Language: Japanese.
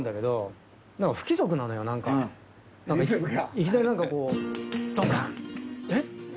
いきなり何かこうドンカン！